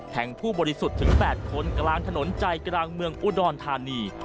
ผู้บริสุทธิ์ถึง๘คนกลางถนนใจกลางเมืองอุดรธานี